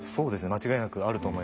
間違いなくあると思います。